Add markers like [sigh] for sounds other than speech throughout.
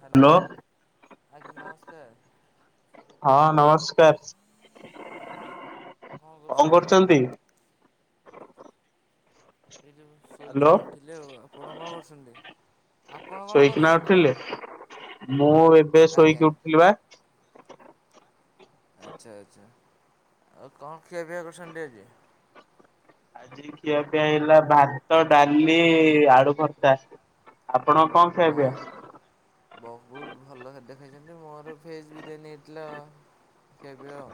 Hello hello ଆଜ୍ଞା ନମସ୍କାର ହଁ ନମସ କାର। କଣ କରୁଛନ୍ତି ଆଜ୍ଞା। ଏଇ ଯୋଉ ହ୍ୟାଲୋ ଶୋଇକିନା ଉଠିଲି ଆଉ ଆପଣ କଣ କରୁସନ୍ତି? ଶୋଇକି ନା ଉଠିଲେ ମୁଁ ଏବେ ଆଜ୍ଞା ଶୋଇକି ଉଠିଲି ବା। ଆଚ୍ଛା ଆଚ୍ଛା ଆଉ କଣ ଖିଆପିଆ କରଛନ୍ତି ଆଜି। ଆଜି ଖିଆ ପିଆ ହେଲା ଭାତ ଡାଲି ଆଳୁ ଭର୍ତା। ଆପଣ କଣ ଖାଇବେ। ବ ବହୁତ ଭଲ ଖାଦ୍ୟ ଖାଇଛନ୍ତି। ମୋର ଭେଜ୍ ବିରିଆନି ହେଇଥିଲା ଖିଆ ପିଆ ଆଉ।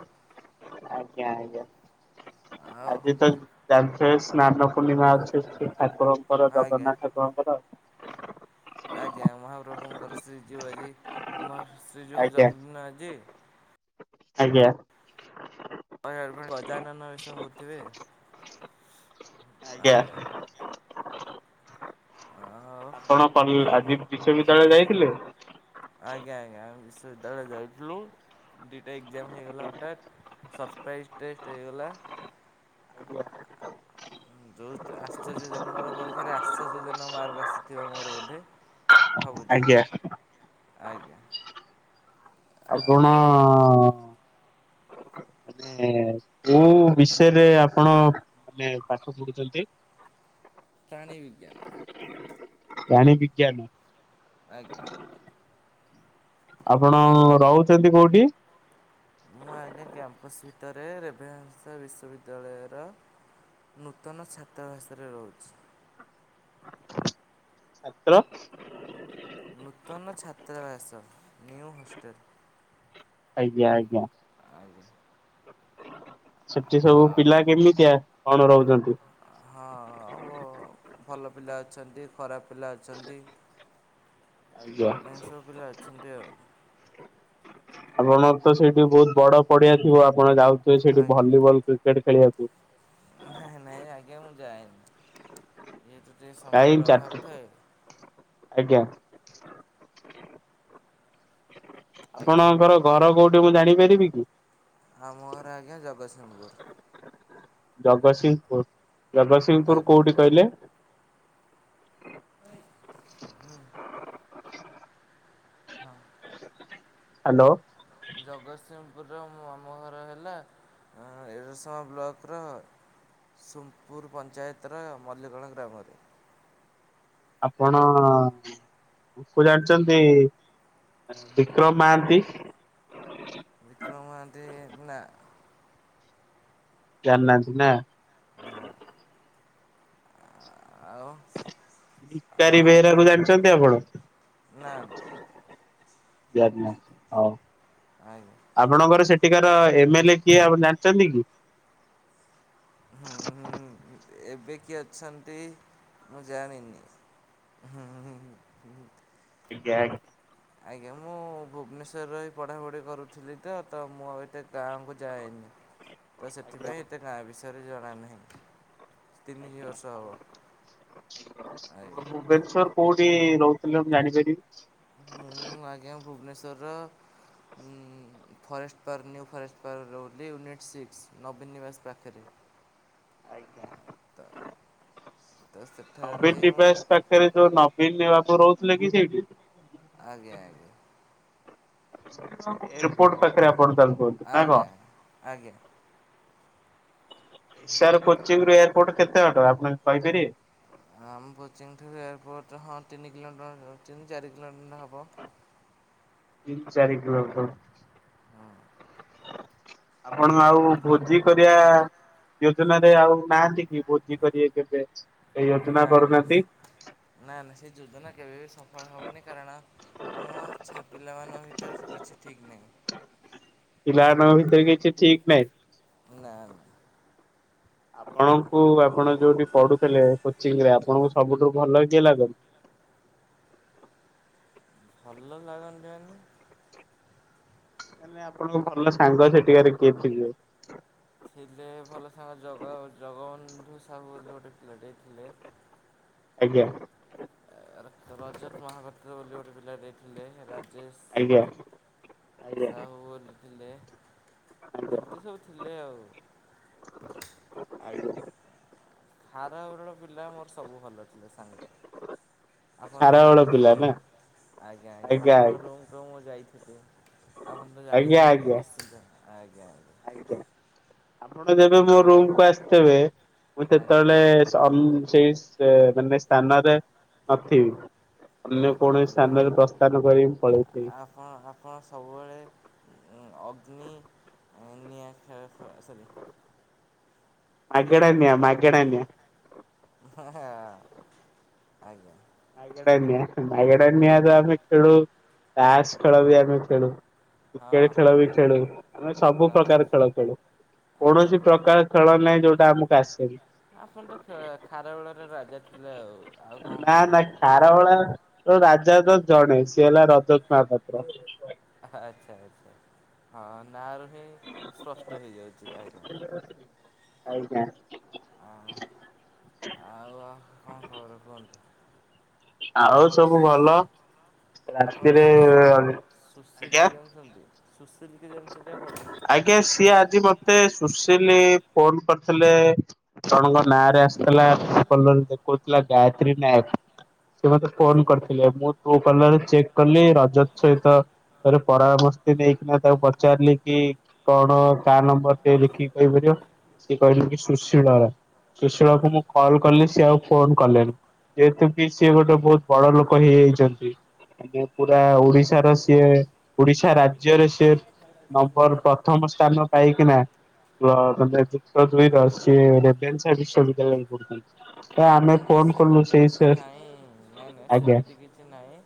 ଆଜ୍ଞା ଆଜ୍ଞା। ଆଉ ଆଜି ତ ଯାଣିଚ ସ୍ନାନ ପୂର୍ଣିମା ଅଛି ଏଠି। ଠାକୁରଙ୍କର ଆଜ୍ଞା ଜଗନ୍ନାଥଙ୍କ ଙ୍କର। ଆଜ୍ଞା ମହାପ୍ରଭୁଙ୍କର ଶ୍ରୀ ଜିଉ ଆଜି ମ ଶ୍ରୀଯିଉଙ୍କ ଆଜ୍ଞା ଜନ୍ମଦିନ ଆଜି। ଆଜ୍ଞା। ଗଜାନନ ବେଷ ହଉଥିବେ। ଆଜ୍ଞା। ଆଉ ଆପଣ କଲ ଆଜି ବିଶ୍ଵବିଦ୍ୟାଳୟ ଯାଇଥିଲେ। ଆଜ୍ଞା ଆଜ୍ଞା ବିଶ୍ଵବିଦ୍ୟାଳୟ ଯାଇଥିଲୁ ଦିଟା ଏକ୍ଜାମ ହେଇଗଲା ହଟାତ୍। ସର୍ପ୍ରାଇଜ ଟେଷ୍ଟ ହେଇଗଲା। ଆଜ୍ଞା। ଯୋଉ ଆଶ୍ଚର୍ଯ୍ୟ ଜନଙ୍କର ପରୀକ୍କ୍ଷା ରେ ଆଶ୍ଚର୍ଯ୍ୟ ଜନକ ମାର୍କ ଆସିଥିବ ମୋର ବୋଧେ। ଭାବୁଛି ଆଜ୍ଞା। ଆଜ୍ଞା। ଆପଣ। ଆଉ ମାନେ କୋଉ ବିଷୟରେ ଆପଣ ମାନେ ପାଠ ପଢୁଛନ୍ତି। ପ୍ରାଣୀ ବିଜ୍ଞାନ। ପ୍ରାଣି ବିଜ୍ଞାନ। ଆଜ୍ଞା। ଆପଣ ଆଉ ରହୁଛନ୍ତି କୋଉଠି? ମୁଁ ଆଜ୍ଞା କ୍ୟାମ୍ପସ୍ ଭିତରେ ରେଭେନ୍ସା ବିଶ୍ୱବିଦ୍ୟାଳୟର। ନୂତନ ଛାତ୍ରା ଭାଷାରେ ରହୁଛି। ଛାତ୍ର। ନୂତନ ଛାତ୍ରାବାସ ନିଉ ହଷ୍ଟେଲ। ଆଜ୍ଞା ଆଜ୍ଞା। ଆଜ୍ଞା। ସେଠି ସବୁ ଆ ପିଲା କେମିତିଆ କଣ ରହୁଛନ୍ତି। ହଁ ଆଉ ବ ଭଲ ପିଲା ଅଛନ୍ତି ଖରାପ ପିଲା ଅଛନ୍ତି। ଆଜ୍ଞା ଏମତି ସବୁ ପିଲା ଅଛନ୍ତି ଆଉ। ଆପଣ ତ ସେଇଠି ବହୁତ ବଡ ପଡିଆ ଥିବ ଆପଣ ଯାଉଥିବେ ସେଇଠି ଭଲିବଲ କ୍ରିକେଟ। ଖେଳିବାକୁ। ନାଇଁ ନାଇଁ ଆଜ୍ଞା ମୁଁ ଯାଏନି। ଯେହେତୁ ଟିକେ କାଇଁ ସମୟର ଅଭାବ ଚାରିଟ ଥାଏ ଆଜ୍ଞା। ଆଜ୍ଞା ଆପଣଙ୍କର ଘର କୋଉଠି ମୁଁ ଜାଣିପାରିବି କି? ଆମ ଘର ଆଜ୍ଞା ଜଗତସିଂହପୁର ଜଗସିଂପୁର ଜଗସିଂପୁର ଆଜ୍ଞା କୋଉଠି କହିଲେ? [inaudible] ହଁ। ହାଲୋ। ପୁରା ମୋ ମାମୁଁ ଘର ହେଲା ଏଁ ଏରସମା ବ୍ଲକର ସୋମପୁର ପଞ୍ଚାୟତର ମଲିକଣ ଗ୍ରାମରେ। ଆପଣ କୁ ଜାଣିଛନ୍ତି। ବିକ୍ରମ ମାହାନ୍ତି। ବିକ୍ରମ ମହାନ୍ତି ନା। ଜାଣିନାହାନ୍ତି ନା। ନା। ଆଉ ଆଉ ଭିକାରୀ ଆପଣ ବେହେରାକୁ ଜାଣିଛନ୍ତି ଆପଣ? ନା ନା। [unintelligible] ହଉ ଆଜ୍ଞା। ଆପଣଙ୍କର ସେ ଠିକାର ଏମ ଏଲ ଏ କିଏ ଆପଣ ଜାଣିଚନ୍ତି କି? ହୁଁ ହୁଁ ଏବେ କିଏ ଅଛନ୍ତି ମୁଁ ଜାଣିନି। ହୁଁ ହୁଁ। ଗ୍ୟାଙ୍ଗ ଆଜ୍ଞା ମୁଁ ଭୁବନେଶ୍ୱର ରେ ରହି ପଢ଼ାପଢ଼ି କରୁଥିଲି ତ, ତ ମୁଁ ଆଉ ଏତେ ଗାଁକୁ ଯାଏନି। ତ ସେଥିପାଇଁ ଏତେ ଗାଁ ବିଷୟରେ ଜଣା ନାହିଁ। ତିନି ଇଅ ଆଜ୍ଞା ବର୍ଷ ହବ, ଆଜ୍ଞା। ଆଜ୍ଞା। ଭୁବନେଶ୍ଵର କୋଉଠି ରହୁଥିଲେ ମୁଁ ଜାଣିପାରିବି? ତର [inaudible] forest park new forest park ରେ ରହୁଚି ୟୁନିଟ୍ ସିକ୍ସ ନବୀନ ନିବାସ ପାଖରେ। ତ ଆଜ୍ଞା। ତ ସେଠାରେ ନବୀନ ରହି ମୁଁ ନିବାସ ପାଖରେ ଯୋଉ ନବୀନ ବାବୁ ରହୁଥିଲେ କି ସେଇଠି? ଆଜ୍ଞା ଆଜ୍ଞା। ଏୟାରପୋର୍ଟ ପାଖରେ ଆପଣ ତାହେଲେ [unintelligible] ନା କଁ। ଆଜ୍ଞା ଆଜ୍ଞା। ସାର କୋଚିଂରୁ ଏୟାରପୋର୍ଟ କେତେ ବାଟ ଆପଣ କହିପାରିବେ। ଆମ କୋଚିଂଠୁ ଏୟାରପୋଟ ହଁ ତିନି କିଲୋମିଟର ତିନି ଚାରି କିଲୋମିଟର ହବ। ତିନି ଚାରି କିଲୋମିଟର। ହଁ। ଆପଣ ଆଉ ଭୋଜି କରିଆ। ଯୋଜନାରେ ଆଉ ନାହାନ୍ତି କି? ଭୋଜି କରିବା କେବେ ୟୋଜନା ନା ନା କରୁନାହାନ୍ତି? ନା ନା ସେ ଯୋଜନା କେବେ ବି ସଫଳ ହବନି, କାରଣ ଆମ ଛା ପିଲାମାନଙ୍କ ଭିତରେ ତ କିଛି ଠିକ୍ ନାହିଁ। ପିଲାମାନଙ୍କ ଭିତରେ କିଛି ଠିକ ନାହିଁ। ନା ନା। ଆପଣଙ୍କୁ ଆପଣ ଯୋଉଠି ପଢୁଥିଲେ କୋଚିଂରେ ଆପଣଙ୍କୁ ସବୁଠୁ ଭଲ କିଏ ଲାଗନ୍ତି? [inaudible] ଭଲ ଲାଗନ୍ତି ମାନେ? ମାନେ ଆପଣଙ୍କ ଭଲ ସାଙ୍ଗ ସେଠିକାରେ କିଏ ଥିବେ? ଥିଲେ ଭଲ ସାଙ୍ଗ ଜଗା ଜଗବନ୍ଧୁ ସାହୁ ବୋଲି ଗୋଟେ ପିଲାଟେ ଥିଲେ। [inaudible] ଆଜ୍ଞା। ଅ ର ରଜ ତୁହାଗତ ବୋଲି ଗୋଟେ ପିଲାଟେ ଥିଲେ ଆଜ୍ଞା ରାଜେଶ ଆଜ୍ଞା ସାହୁ ବୋଲି ଥିଲେ। ଆଜ୍ଞା। ଏମତି ସବୁ ଥିଲେ ଆଉ। ଆ [unintelligible] ହାର ଓରଳ ପିଲା ମୋର ସବୁ ଭଲ ଥିଲେ ସାଙ୍ଗରେ। ଆପଣ ତ ଖାରବେଳ ପିଲା ଜାଣିଥିବେ ନା ଆଜ୍ଞା ଆଜ୍ଞା ଆପଣଙ୍କ ରୁୁମକୁ ମୁଁ ଯାଇ ଆପଣ ତ ଆଜ୍ଞା ଜାଣିଥିବେ ଆଜ୍ଞା ନିଶ୍ଚିନ୍ତ ଆଜ୍ଞା। ଆଜ୍ଞା ଆପଣ ଯେବେ ମୋ ରୁମକୁୁ ଆସଥେବେ ମୁଁ ଆଜ୍ଞା ସେତେବେଳେ ସେଇ ମାନେ ସ୍ଥାନରେ ନଥିବି। ଅନ୍ୟ ଆଜ୍ଞା କୌଣସି ଆଜ୍ଞା। ସ୍ଥାନରେ ପ୍ରସ୍ଥାନ କରି ମୁଁ ପଳେଇଥିବି ଆପଣ ଆପଣ ସବୁବେଳେ ଅଗ୍ନି ନିଆ ଖାଇବା ସରି ଫ୍ରି ମାଗେଣା ଫାୟାର ନିଆଁ ଖେଳ ସବ ମାଗେଣା ନିଆଁ। ହଁ ହଁ ଆଜ୍ଞା। ମାଗେଡ଼ା ନିଆ ମାଗେଡ଼ା ନିଆ ତ ଆମେ ଖେଳୁ ତାସ୍ ଖେଳ ବି ଆମେ ଖେଳୁ। ହଁ କ୍ରିକେଟ ହଁ ଖେଳ ବି ଖେଳୁ ଆମେ ସବୁ ଜଣା ପ୍ରକାର ଖେଳ ଖେଳୁ। ଆଜ୍ଞା କୌଣସି ଆଜ୍ଞା ପ୍ରକାର ଖେଳ ନାହିଁ ଯୋଉଟା ଆମକୁ ଆସେନି ଆପଣ ତ ଖାରବେଳର ରା ଜା ଥିଲ ଆଉ। କଣ ନା ନା କହିବି ଆପଣ ଖାରବେଳ ତ ରାଜା। ଜା ତ ଜଣେ ସିଏ ହେଲା ରଜତ ମହାପାତ୍ର। ଆଚ୍ଛା ଆଛା ହଁ। ନାଁ ରୁ ହିଁ ସ୍ପଷ୍ଟ ହେଇଯାଉଚି ଆଜ୍ଞା। ଆଜ୍ଞା। ଆ ଆଉ କଣ ଖବର କୁହନ୍ତୁ। ଆଉ ଆପଣ ସବୁ ସୁ ଭଲ। ଆପଣ ରାତିରେ ସୁଶୀଲ ସୁଶୀଲ ଆଜ୍ଞା କି ଜାଣିଚନ୍ତି? ଆଜ୍ଞା ସିଏ ଆଜି ମତେ ସୁ ସୁଶୀଲ ଫୋନ କରିଥିଲେ ଜଣଙ୍କ ନାଁରେ ଆସିଥିଲା ଫଲନ ଦେଖଉଥିଲା ଗାୟତ୍ରୀ ନାୟକ। ସେ ମତେ ଆଚ୍ଛା ଫୋନ କରିଥିଲେ ମୁଁ ଟ୍ରୁ କଲର ରେ ଚେକ୍ କଲି ରଜତ ସହିତ [inaudible] ନା ତାକୁ ପଚାରିଲି କି କଣ କା ନମ୍ବର ଟେ ଲେଖିକି କହିପାରିବ। ସିଏ କହିଲେ କି ସୁଶୀଳ ର ସୁଶୀଳ କୁ ହୁଁ। ମୁଁ କଲ କଲି ସିଏ ଆଉ ଫୋନ କଲେନି। ଯେହେତୁ କିି ସିଏ ଗୋଟେ ବହୁତ ବଡ ଲୋକ ହେଇଯାଇଚନ୍ତି। ଆଜ୍ଞା ପୁରା ଓଡିଶାର ସିଏ ଓଡିଶା ରା ରାଜ୍ୟ ରେ ସେ ନମ୍ବର ପ୍ରଥମ ସ୍ଥାନ ପାଇକିନା ହ ସେ ଯୁକ୍ତ ଦୁଇ ର ସିଏ ରେଭେନ୍ସା ବିଶ୍ଵବିଦ୍ୟାଳୟ ରେ ପଢୁଛନ୍ତି। ତ ନାଇଁ ଆମେ ନାଇଁ ଫୋନ କଲୁ ସେମିତି କିଛି ସେଇ ନାଇଁ ନାଇଁ ନାଇଁ ଆଜ୍ଞା ସେମିତି କିଛି ନାଇଁ।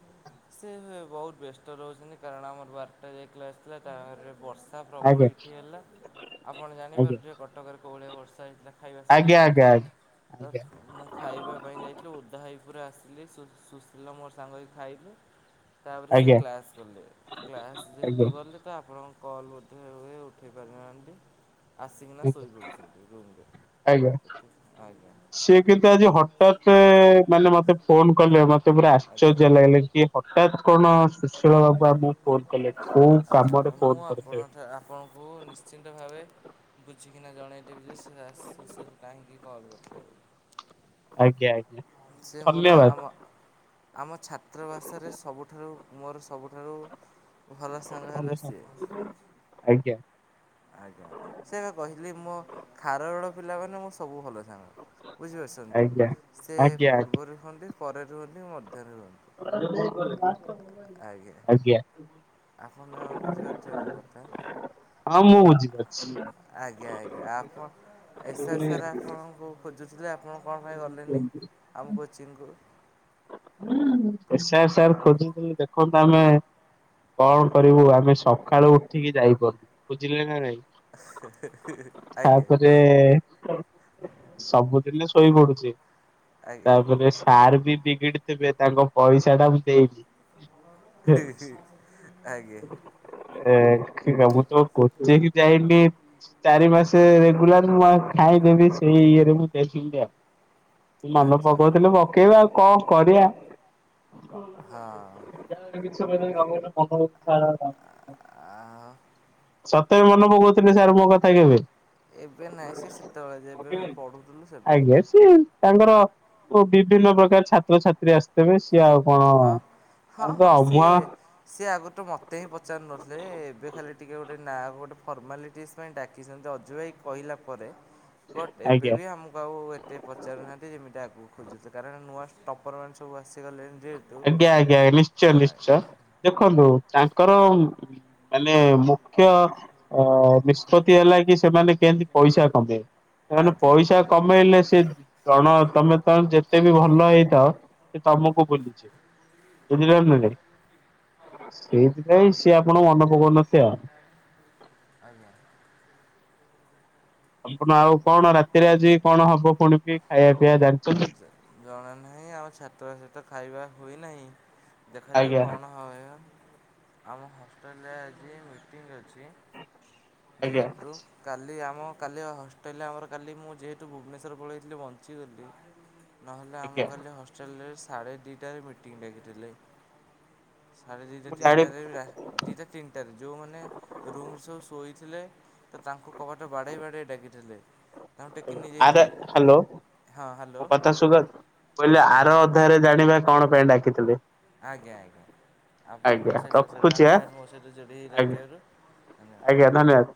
ସେ ବହୁତ ବ୍ୟସ୍ତ ରହୁଛନ୍ତି କାରଣ ଆମର ବାରଟା ଯାଏ କ୍ଲାସ ଥିଲା ତା ବର୍ଷା। ତାହା ପ୍ରବଳ ଆଜ୍ଞା ଏଇଠି ହେଲା ଆପଣ ଜାଣିପାରୁଥିବେ କଟକରେ କଉଭଳିଆ ବର୍ଷା ହେଇଥିଲା। ଖାଇବା ଆଜ୍ଞା ସମୟରେ। ଆଜ୍ଞା ଆଜ୍ଞା ତ ଆଜ୍ଞା। ମୁଁ ଖାଇବା ପାଇଁ ଯାଇଥିଲି ଓଦା ହେ ଏପୁର ଆସିଲି ସୁଶୀଲ ର ମୋର ସାଙ୍ଗ ହେଇକି ଖାଇଲୁ। ତାପରେ ସେ ଆଜ୍ଞା କ୍ଲାସ୍ ଗଲେ କ୍ଲାସ୍ ଆଜ୍ଞା ଯେହେତୁ ଗଲେ ତ ଆପଣ କଲ ବୋଧହୁଏ ଉଠେଇ ପାରିନାହାଁନ୍ତି। ଆସିକିନା ଆଜ୍ଞା ଶୋଇପଡୁଛନ୍ତି ରୁମରେ ଆଜ୍ଞା ଆଜ୍ଞା। ସିଏ କିନ୍ତୁ ଆଜି ହଠାତେ ମାନେ ମତେ ଫୋନ କଲେ ମତେ ପୁରା ଆଶ୍ଚର୍ଯ୍ୟ ଲାଗିଲା କି ହ ହେପ କରୁନ। ଆଛା କାମରେ ଆଛା ଫୋନ ମୁଁ ଆପଣ କରିଥିବେ ଆପଣଙ୍କୁ ନିଶ୍ଚିନ୍ତ ଭାବେ ବୁଝିକିନା ଜଣାଇ ଦେବି ଯେ ସେ ଆସ କାହିଁକି କଲ କରିଥିଲେ ବୋଲି। ଆଜ୍ଞା ଆଜ୍ଞା। ସେ ମୋର ଧନ୍ୟବାଦ ଆମ ଆମ ଛାତ୍ରବାସରେ ସବୁଠାରୁ ମୋର ସବୁଠାରୁ ଭଲ ସାଙ୍ଗ ହେଲା ଭଲ ସିଏ। ସାଙ୍ଗ ଆଜ୍ଞା। ଆଜ୍ଞା, ସେୟାବା କହିଲି, ମୋ ଖାରବେଳ ପିଲା ମାନେ, ମୋ ସବୁ ଭଲ। ହଁ ବୁଝିପାରସନ୍ତ ଆଜ୍ଞା ତ! ସେ ଆଜ୍ଞା ପୂର୍ବରୁ ରୁହଁନ୍ତି, ପରେ ରୁହଁନ୍ତି ମଧ୍ୟ। ଆଜ୍ଞା। ଆପଣ ଆଉ ବୁଝି ପାରୁଥିବେ ମୋ କଥା! ହଁ, ମୁଁ ବୁଝି ଆଜ୍ଞା ଆଜ୍ଞା, ଆପଣ ଏସା ସାରା ଆପଣଙ୍କୁ ଖୋଜୁ ଥିଲେ, ଆପଣ କଣ ପାଇଁ ଗଲେନି ଆମ କୋଚିଂକୁ। ଏସ ଆର ସାର୍ ଖୋଜୁଥିଲେ ଦେଖନ୍ତୁ ଆମେ କଣ କରିବୁ। ଆମେ ସକାଳୁ ଉଠିକି ଯାଇପାରୁନୁ। ବୁଝିଲେ ନା ନାଇଁ। ଆଜ୍ଞା ତା'ପରେ ସବୁଦିଲେ ସ୍କୁ ଶୋଇ ପଡୁଛି। ଆଜ୍ଞା ତାପରେ ସାର ବି ବିଗିଡି ତେବେ, ତାଙ୍କ ପଇସାଟା ମୁଁ ଦେଇନି। ହି ହି ଆଜ୍ଞା। ଏ ମୁଁ ତ କୋଚିଂ ଯାଇନି, ଚାରି ମାସ ରେଗୁଲାର ମୁଁ ଆଉ ଖା ମୁଁ ବି ସେଇ ଇଏରେ ମୁଁ ଦେଖି ନି ଆଉ। ମନ ଆଚ୍ଛା ପକଉଥିଲେ ପକେଇବା ଆଉ କଣ? ହଁ। କିଛମ [unintelligible] ସତରେ! ଆଉ ମନେ ପକଉଥିବେ ସାର୍ ମୋ କଥା କେବେ? ଏବେ ନାଇଁ, ସେ ସେତେବେଳେ ଯେବେ ମୁଁ ପଢୁଥିଲୁ। ସେବେ ଆଜ୍ଞା ସିଏ ତାଙ୍କର ଓ ବିଭିନ୍ନ ପ୍ରକାର ଛାତ୍ରଛାତ୍ରୀ ଆସିଥବେ। ହଁ ହଁ ହଁ ଅମୁଆ ସିଏ, ସିଏ ଆଗରୁ ତ ମତେ ହିଁ ପଚାରୁ ନଥିଲେ। ଏବେ ଖାଲି ଟିକେ ଗୋଟେ ନାଁକୁ ଗୋଟେ ଫର୍ମାଲିଟିସ୍ ପାଇଁ ଡାକିଛନ୍ତି। ଅଜୁ ଭାଇ କହିଲା ପରେ ବଟ, ଏବେ ଆଜ୍ଞା। ବି ଆମକୁ ଆଉ ଏତେ ପଚାରୁନାହାଁନ୍ତି ଯେମିତି ଆଗକୁ ଖୋଜୁଥିଲେ। କାରଣ ନୂଆ ଟପର ମାନେ ସବୁ ଆସିଗଲେଣି। ଯେହେତୁ ଆଜ୍ଞା ଆଜ୍ଞାା, ନିଶ୍ଚୟ! ନିଶ୍ଚୟ! ଦେଖନ୍ତୁ ତାଙ୍କର ଉମ୍ ମାନେ ମୁଖ୍ୟ ଅ ନିଷ୍ପତ୍ତି ହେଲା କି, ସେମାନେ କେଏଁତି ପଇସା କମେଇବେ? ଏମାନେ ଆଜ୍ଞା। ପଇସା କମେଇଲେ, ସେ ଜଣ, ତମେ ତ ଯେତେ ବି ଭଲ ହେଇଥାଅ, ସେ ତମକୁ ଭୁଲି ବୁଝିଲ ନା ନାହିଁ? ସେଇଥିପାଇଁ, ସିଏ ଆପଣକୁ ମନେପକଉ ନ ଥିବ ଆଉ। ଆଜ୍ଞା। ଆପଣ, ଆଉ କଣ ରାତିରେ ଆଜି କଣ ହବ? ପୁଣି କି ଖାଇବା ପିଇବା ଜାଣି ଜଣା ନାହିଁ? ଆମ ଛାତ୍ର ବାସ ତ ଖାଇବା ହୁଏନାହିଁ। ଦେଖାଯାଉ ଆଜ୍ଞା କଣ ହଏଅ। ଆମ ହଷ୍ଟେଲରେ ଆଜି ମିଟିଂ ଅ ଛି, ଆଜ୍ଞା ଯେହଟୁ କାଲି ଆମ ହଁ, କାଲି ହଷ୍ଟେଲ ଆମର କାଲି, ମୁଁ ଯେହେଟୁ ଭୁବନେଶ୍ୱର ପଳେଇଥିଲି ବଞ୍ଚିଗଲି। ନହେଲେ, ଆମ ଆଜ୍ଞା କାଲି ହଷ୍ଟେଲରେ ସାଢ଼େ ଦି ଟାରେ ମିଟିଂ ଡାକିଠିଲେ। ସାଢେ ଦିଟା ମୁଁ ଜାଣି ତିନଟାରେ, ରା ଦିଟା ତିନଟାରେ ଯେଉଁମାନେ ରୁମ୍ ରେ ସବୁ ଶୋଇଥିଲେ, ତ ତାଙ୍କ କବାଟ ବାଡ଼େଇ ବାଡ଼େଇ ଡାକିଥିଲେ। ତାଙ୍କୁ ଟେକି ନେଇ ଯାଇଥିଲେ। ହଁ, ହ୍ୟାଲୋ! ତା ସୁଗତ କହିଲି, ଆଜ୍ଞା ଆର ଅଧ୍ୟାୟରେ ଜାଣିବା କଣ ପାଇଁ ଡାକିଥିଲେ? ଆଜ୍ଞା ଆଜ୍ଞା। ଆପଣଙ୍କୁ, ଆଜ୍ଞା ଅଶେଷ ଅଶେଷ ରଖୁଛି ଆଁ ଧନ୍ୟବାଦ! ମୋ ସହିତ ଯୋଡ଼ି ହେଇ ଆଜ୍ଞା ରହିଥିଆରୁ। ଧନ୍ୟବାଦ! ଆଜ୍ଞା ଧନ୍ୟବାଦ।